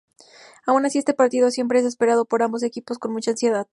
Aun así, este partido siempre es esperado por ambos equipos con mucha ansiedad.